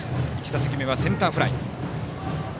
１打席目はセンターフライ。